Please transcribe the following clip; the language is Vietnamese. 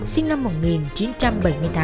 sinh năm một nghìn chín trăm bảy mươi tám